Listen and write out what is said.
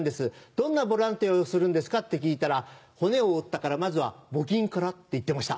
どんなボランティアをするんですかって聞いたら「骨を折ったからまずはボキンから」って言ってました。